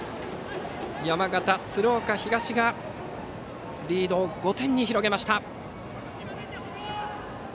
山形・鶴岡東がリードを５点に広げました。